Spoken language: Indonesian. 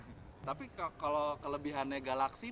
mengucapkan maaf dengan kogicho kogicho kita